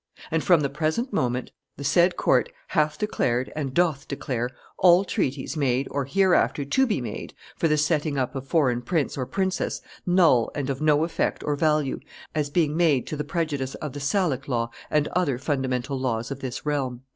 ... And from the present moment, the said court hath declared and doth declare all treaties made or hereafter to be made for the setting up of foreign prince or princess null and of no effect or value, as being made to the prejudice of the Salic law and other fundamental laws of this realm."